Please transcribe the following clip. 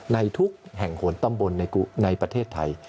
ในทุกแห่งโหนตำบลในประเทศไทย